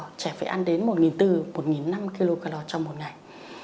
trẻ phải ăn đến một bốn trăm linh một năm trăm linh kcal trong một ngày